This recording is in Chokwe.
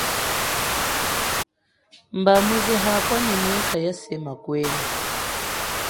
Mba muze habwa ni mwika yasema kwenyi.